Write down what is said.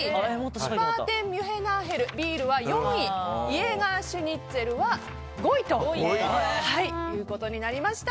シュパーテンミュヘナーヘルは４位イエガーシュニッツェルは５位となりました。